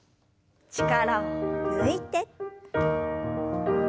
力を抜いて。